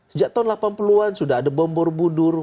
sejak tahun delapan puluh an sudah ada bom borobudur